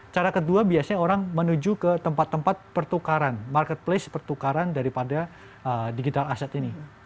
cara kedua biasanya orang menuju ke tempat tempat pertukaran marketplace pertukaran daripada digital asset ini